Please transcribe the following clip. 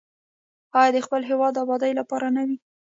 آیا د خپل هیواد د ابادۍ لپاره نه ده؟